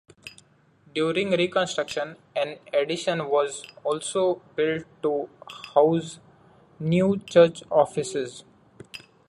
During reconstruction an addition was also built to house new church offices.